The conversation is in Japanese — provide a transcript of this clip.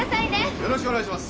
よろしくお願いします！